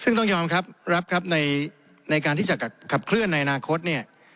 ซึ่งต้องยอมรับรับครับในการที่จะขับเคลื่อนในอนาคตเนี่ย